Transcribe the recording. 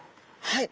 はい。